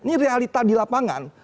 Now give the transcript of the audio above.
ini realita di lapangan